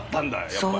やっぱり。